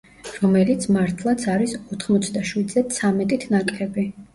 რომელიც მართლაც არის ოთხმოცდაშვიდზე ცამეტით ნაკლები.